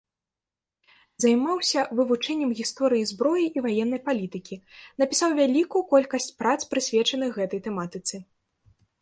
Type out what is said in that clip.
Займаўся вывучэннем гісторыі зброі і ваеннай палітыкі, напісаў вялікую колькасць прац прысвечаных гэтай тэматыцы.